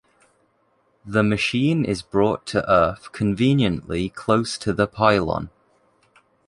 The machine is brought to earth conveniently close to the pylon.